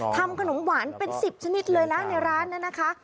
ทำขนมหวานเป็น๑๐ชนิดเลยนะในร้านเนี่ยนะคะ